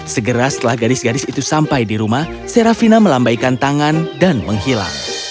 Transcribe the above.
segera setelah gadis gadis itu sampai di rumah serafina melambaikan tangan dan menghilang